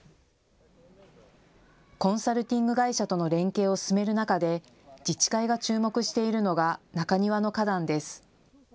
コンサルティング会社との連携を進める中で自治会が注目しているのが中庭の花壇です。